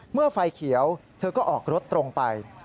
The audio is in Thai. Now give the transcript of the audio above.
เมื่อไฟเขียวเธอก็ออกรถตรงไป